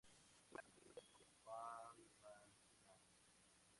Se encuentra administrativamente incluido en la ciudad de Alaminos de Pangasinán.